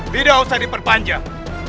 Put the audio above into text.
tidak usah diperpanjang